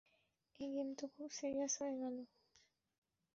এ game তো খুব serious হয়ে গেল।